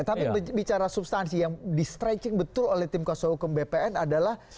tapi bicara substansi yang di stretching betul oleh tim kuasa hukum bpn adalah